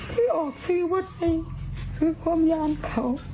คือออกซื้อว่าใดคือความยามเขา